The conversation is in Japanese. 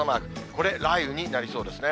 これ、雷雨になりそうですね。